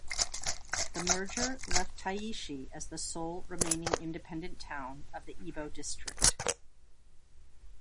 The merger left Taishi as the sole remaining independent town of the Ibo District.